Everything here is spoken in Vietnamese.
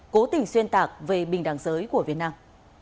cố tình xuyên tạc về bình đẳng giới của việt nam